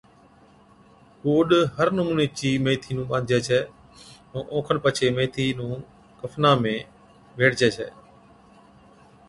گوڏ ھر نمُوني چِي ميٿي نُون ٻانڌجَي ڇَي ائُون اوکن پڇي ميٿي نُون کفنا ۾ ٻيڙجي ڇَي